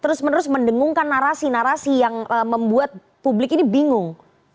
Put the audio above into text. terus menerus mendengungkan narasi narasi yang membuat publik ini bingung